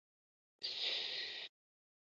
پامیر د افغانستان د سیلګرۍ برخه ده.